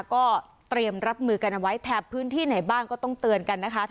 ก็เตรียมรับมือกันเอาไว้แถบพื้นที่ไหนบ้างก็ต้องเตือนกันนะคะ